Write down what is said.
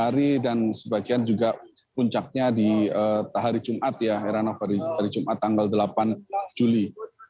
hari dan sebagian juga puncaknya di hari jumat ya heranov hari jumat tanggal delapan juli